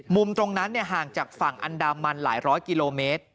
มุมตรงนั้นห่างจากฝั่งอันดามันหลายร้อยกิโลเมตร